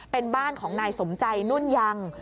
เป็นบ้านของนายสมใจนุ่นยัง